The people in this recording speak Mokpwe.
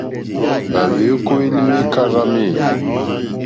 Hwa hweokoweli hwe karzami.